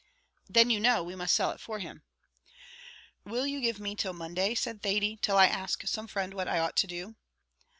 "Then you know we must sell it for him." "Will you give me till Monday," said Thady, "till I ask some friend what I ought to do?"